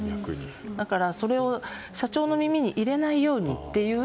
だから、社長の耳に入れないようにという。